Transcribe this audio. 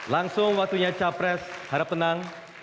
langsung waktunya capres harap tenang